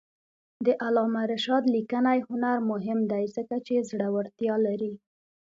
د علامه رشاد لیکنی هنر مهم دی ځکه چې زړورتیا لري.